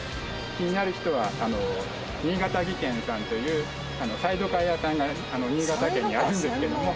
気になる人は新潟技研さんというサイドカー屋さんが新潟県にあるんですけども。